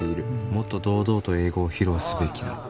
「もっと堂々と英語を披露すべきだ」